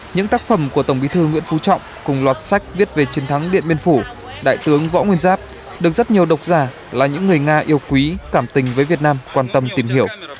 những tác phẩm của tổng bí thư nguyễn phú trọng cùng loạt sách viết về chiến thắng điện biên phủ đại tướng võ nguyên giáp được rất nhiều độc giả là những người nga yêu quý cảm tình với việt nam quan tâm tìm hiểu